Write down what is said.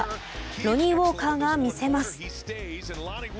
ロニー・ウォーカーが見せます。